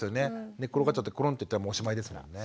寝っ転がっちゃってコロンッていったらもうおしまいですもんね。